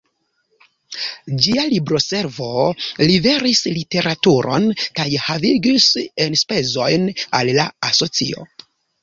Ĝia Libro-Servo liveris literaturon kaj havigis enspezojn al la asocio.